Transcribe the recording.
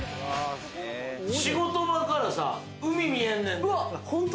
仕事場からさ、海見えんねん！